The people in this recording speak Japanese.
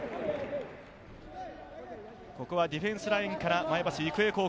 ここはディフェンスラインへ。